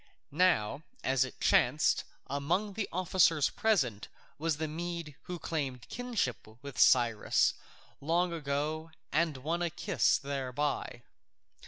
Now, as it chanced, among the officers present was the Mede who had claimed kinship with Cyrus long ago and won a kiss thereby.